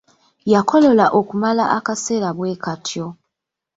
Yakolola okumala akaseera bwe kotyo.